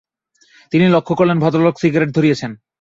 তিনি লক্ষ করলেন, ভদ্রলোক সিগারেট ধরিয়েছেন।